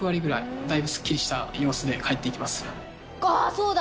そうだ。